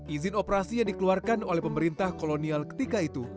izin operasi yang dikeluarkan oleh pemerintah kolonial ketika itu